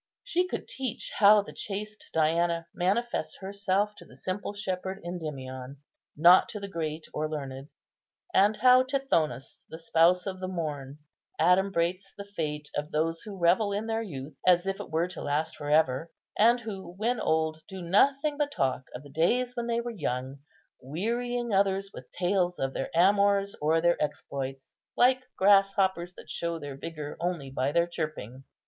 She could teach how the chaste Diana manifests herself to the simple shepherd Endymion, not to the great or learned; and how Tithonus, the spouse of the Morn, adumbrates the fate of those who revel in their youth, as if it were to last for ever; and who, when old, do nothing but talk of the days when they were young, wearying others with tales of "their amours or their exploits, like grasshoppers that show their vigour only by their chirping."